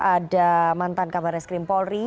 ada mantan kabar es krim polri